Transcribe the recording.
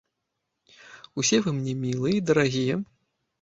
Усе вы мне мілыя і дарагія.